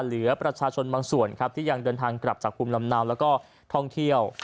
เหลือประชาชนบางส่วนที่ยังเดินทางกลับจากกุมลำนาวและท่องเที่ยว